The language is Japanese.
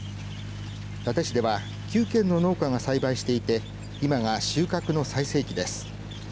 伊達市では９軒の農家が栽培していて今が収穫の最盛期です。